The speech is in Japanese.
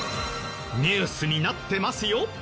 ニュースになってますよ。